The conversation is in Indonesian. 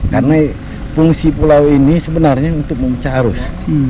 karena fungsi pulau ini sebenarnya untuk memecah arus